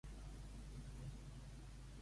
Quantes vegades al dia he de prendre el Pectox?